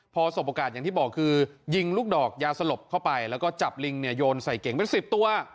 พอสบโอกาสอย่างที่บอกคือยิงลูกดอกยาสลบเข้าไปแล้วก็จับลิงเนี่ยโยนใส่เก๋งเป็น๑๐ตัว